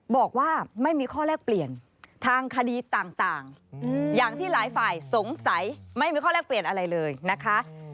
บอกว่าไม่มีข้อแลกเปลี่ยนทางคดีต่างอย่างที่หลายฝ่ายสงสัยไม่มีข้อแรกเปลี่ยนอะไรเลยนะคะ